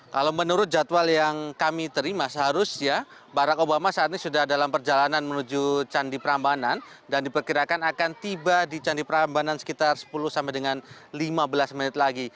kalau menurut jadwal yang kami terima seharusnya barack obama saat ini sudah dalam perjalanan menuju candi prambanan dan diperkirakan akan tiba di candi prambanan sekitar sepuluh sampai dengan lima belas menit lagi